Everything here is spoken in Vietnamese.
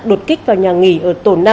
đột kích vào nhà nghỉ ở tổ năm